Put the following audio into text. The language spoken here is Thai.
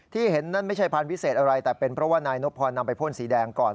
เห็นนั่นไม่ใช่พันธุ์วิเศษอะไรแต่เป็นเพราะว่านายนบพรนำไปพ่นสีแดงก่อน